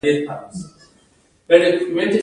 موږ د مبادلاتو وده او د پیسو پیدایښت بیانوو